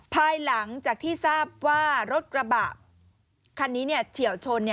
ภายหลังจากที่ทราบว่ารถกระบะคันนี้เฉียวชน